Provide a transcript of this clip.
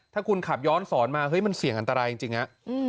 ถ้าคุณขับย้อนสอนมาเฮ้ยมันเสี่ยงอันตรายจริงฮะ